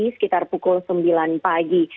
sekitar pukul sembilan pagi